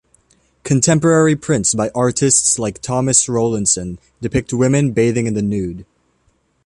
Contemporary prints by artists like Thomas Rowlandson depict women bathing in the nude.